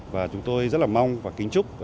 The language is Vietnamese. và chúng tôi rất là mong và kính chúc